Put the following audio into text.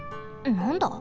なんだ？